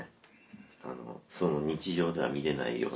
あの日常では見れないような。